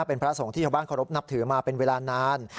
เป็นพระสงฆ์ที่ชาวบ้านเคารพนับถือมาเป็นเวลานาน